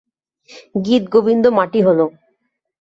গীতগোবিন্দ মাটি হল।